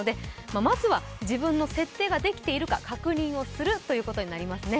まずは自分の設定ができているか確認をするということになりますね。